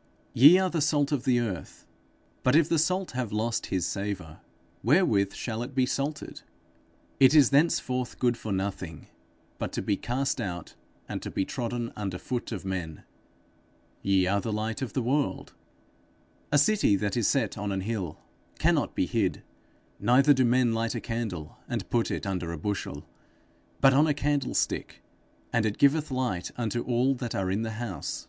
_ 'Ye are the salt of the earth; but if the salt have lost his savour, wherewith shall it be salted? It is thenceforth good for nothing, but to be cast out, and to be trodden under foot of men. Ye are the light of the world. A city that is set on an hill, cannot be hid. Neither do men light a candle, and put it under a bushel, but on a candlestick, and it giveth light unto all that are in the house.